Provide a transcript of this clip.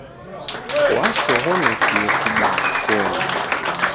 Washoghonokie kubaa koni.